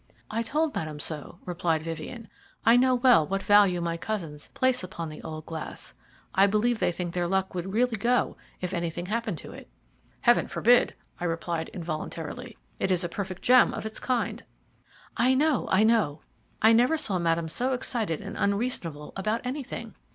"I told Madame so," replied Vivien. "I know well what value my cousins place upon the old glass. I believe they think that their luck would really go if anything happened to it." "Heaven forbid!" I replied involuntarily; "it is a perfect gem of its kind." "I know! I know! I never saw Madame so excited and unreasonable about anything.